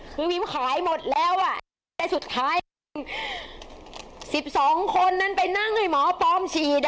คือวิมขายหมดแล้วอ่ะแต่สุดท้าย๑๒คนนั้นไปนั่งให้หมอปลอมฉีด